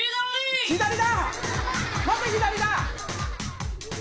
左だ！